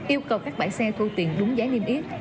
yêu cầu các bãi xe thu tiền đúng giá niêm yết